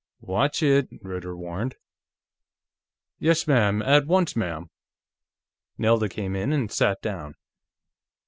"Watch it!" Ritter warned. "Yes, ma'am; at once, ma'am." Nelda came in and sat down.